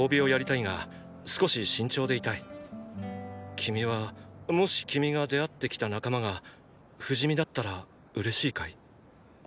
君はもし君が出会ってきた仲間が不死身だったら嬉しいかい？